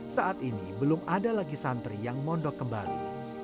saat ini belum ada lagi santri yang mondok kembali